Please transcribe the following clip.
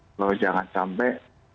kalau jangan sampai